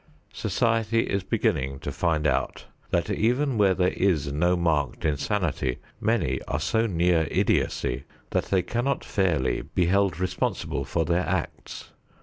Society is beginning to find out that even where there is no marked insanity, many are so near idiocy that they cannot fairly be held responsible for their acts.